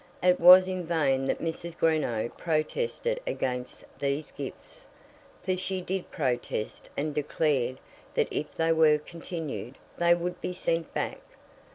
It was in vain that Mrs. Greenow protested against these gifts, for she did protest and declared that if they were continued, they would be sent back.